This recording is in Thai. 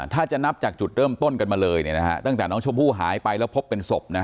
ถ้าจะนับจากจุดเริ่มต้นกันมาเลยเนี่ยนะฮะตั้งแต่น้องชมพู่หายไปแล้วพบเป็นศพนะ